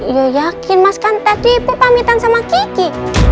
ya yakin mas kan tadi ibu pamitan sama kiki